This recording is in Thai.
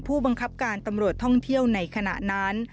ผู้บังคับการตำรวจท่องเที่ยวในขณะนั้น